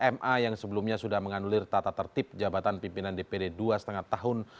ma yang sebelumnya sudah menganulir tata tertib jabatan pimpinan dpd dua lima tahun